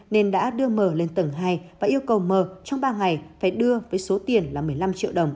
nên đã đưa mờ lên tầng hai và yêu cầu mờ trong ba ngày phải đưa với số tiền là một mươi năm triệu đồng